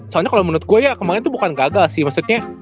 soalnya kalo menurut gua ya kemaren tuh bukan gagal sih maksudnya